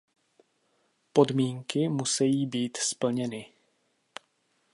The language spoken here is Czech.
Podmínky musejí být splněny.